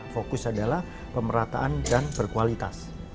fokus adalah pemerataan dan berkualitas